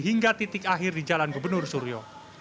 hingga titik akhir di jalan gubernur suryo